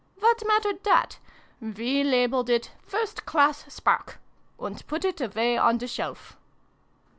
What mattered that ? We labeled it ' First Class Spark,' and put it away on the shelf."